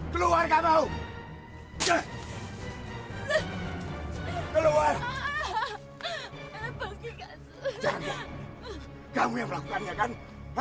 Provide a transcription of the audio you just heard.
terima kasih dan lagi maaf penyayang